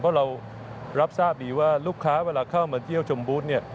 เพราะเรารับทราบดีว่าลูกค้าเวลาเข้ามาเที่ยวชมบูธเนี่ย